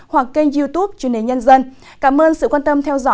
hoặc kênh youtube chuyên đề nhân dân